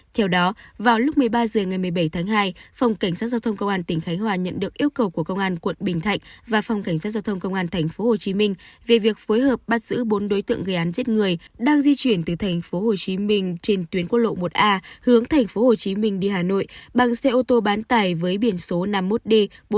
theo đó vào lúc một mươi ba h ngày một mươi bảy tháng hai phòng cảnh sát giao thông công an tỉnh khánh hòa nhận được yêu cầu của công an quận bình thạnh và phòng cảnh sát giao thông công an tp hcm về việc phối hợp bắt giữ bốn đối tượng gây án giết người đang di chuyển từ tp hcm trên tuyến quốc lộ một a hướng tp hcm đi hà nội bằng xe ô tô bán tải với biển số năm mươi một d một nghìn bốn trăm bốn mươi